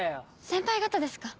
先輩方ですか。